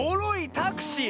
タクシーね！